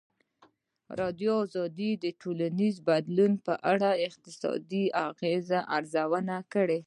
ازادي راډیو د ټولنیز بدلون په اړه د اقتصادي اغېزو ارزونه کړې.